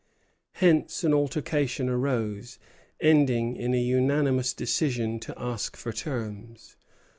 Hence an altercation arose, ending in a unanimous decision to ask for terms.